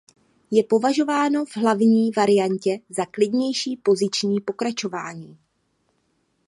Je považováno v hlavní variantě za klidnější poziční pokračování.